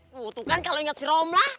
butuh kan kalau inget si romlah